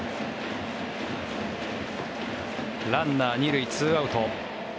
ランナー２塁、２アウト。